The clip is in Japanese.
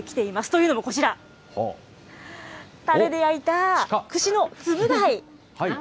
というのもこちら、たれで焼いた串のツブガイ。